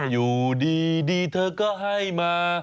อยู่ดีเธอก็ให้มา